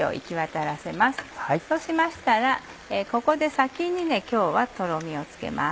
そうしましたらここで先に今日はとろみをつけます。